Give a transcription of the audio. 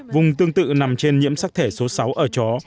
vùng tương tự nằm trên nhiễm sắc thể số sáu ở chó